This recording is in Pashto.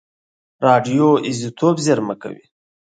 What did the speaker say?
راډیو ایزوتوپ زېرمه کوي.